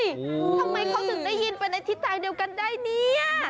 ทำไมเขาถึงได้ยินไปในทิศทางเดียวกันได้เนี่ย